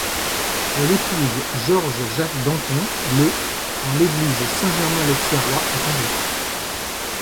Elle épouse Georges Jacques Danton le en l'église Saint-Germain-l'Auxerrois à Paris.